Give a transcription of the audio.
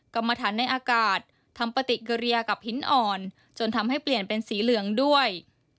กรรมฐานในอากาศทำปฏิกิริยากับหินอ่อนจนทำให้เปลี่ยนเป็นสีเหลืองด้วย